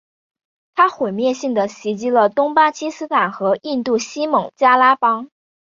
它毁灭性地袭击了东巴基斯坦和印度西孟加拉邦。